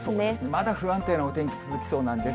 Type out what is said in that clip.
まだ不安定なお天気続きそうなんです。